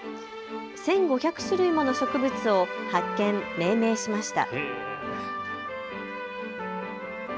１５００種類もの植物を発見、命名しました。